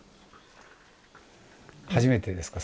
初めてですか？